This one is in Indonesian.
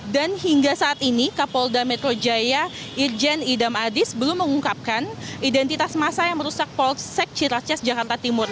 dan hingga saat ini kapolda metro jaya irjen idam adis belum mengungkapkan identitas masa yang merusak polsek ciraces jakarta timur